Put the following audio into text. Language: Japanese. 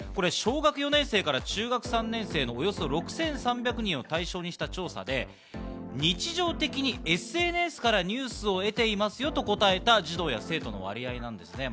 小学４年生から中学３年生のおよそ６３００人を対象にした調査で、日常的にＳＮＳからニュースを得ていますよと答えた児童や生徒の割合です。